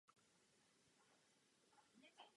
Rostou na zemi nebo jako epifyty.